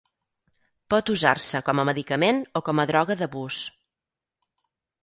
Pot usar-se com a medicament o com a droga d'abús.